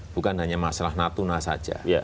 bukan hanya masalah natuna saja